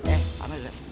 eh pamer dek